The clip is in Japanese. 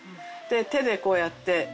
手でこうやって。